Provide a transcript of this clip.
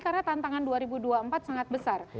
karena tantangan dua ribu dua puluh empat sangat besar